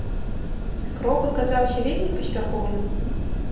Крок аказаўся вельмі паспяховым.